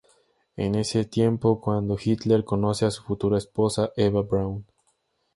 Es en ese tiempo, cuando Hitler conoce a su futura esposa, Eva Braun.